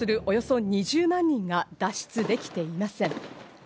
およそ２０万人が脱出できていません。